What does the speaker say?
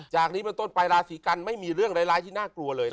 จากนี้เป็นต้นไปราศีกันไม่มีเรื่องร้ายที่น่ากลัวเลย